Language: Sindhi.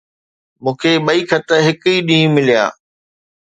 مون کي ٻئي خط هڪ ئي ڏينهن مليا